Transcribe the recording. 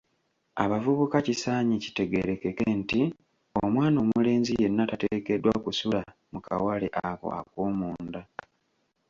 Abavubuka kisaanye kitegeerekeke nti, omwana omulenzi yenna tateekeddwa kusula mu kawale ako ak'omunda.